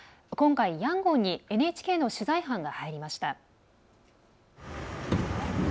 今回、ヤンゴンにＮＨＫの取材班が入りました。